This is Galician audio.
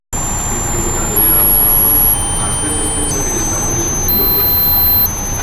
Incluso cando lle damos a razón ás veces pensa que lle estamos discutindo cousas.